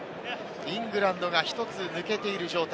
イングランドが１つ抜けている状態。